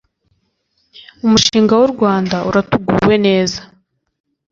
umushinga w u rwanda uratuguwe neza